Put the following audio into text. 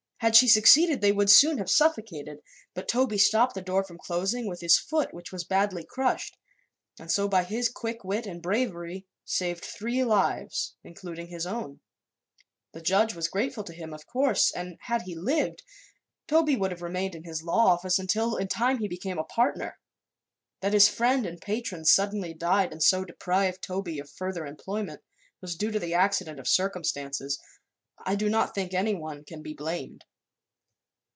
Had she succeeded they would soon have suffocated; but Toby stopped the door from closing, with his foot, which was badly crushed, and so by his quick wit and bravery saved three lives including his own. The judge was grateful to him, of course, and had he lived Toby would have remained in his law office until in time he became a partner. That his friend and patron suddenly died and so deprived Toby of further employment, was due to the accident of circumstances. I do not think anyone can be blamed."